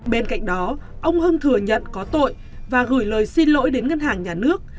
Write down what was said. bên cạnh đó ông hưng thừa nhận có tội và gửi lời xin lỗi đến ngân hàng nhà nước